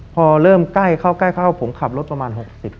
พอเริ่มใกล้เข้าผมขับรถประมาณ๖๐